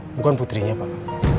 bukan putrinya pak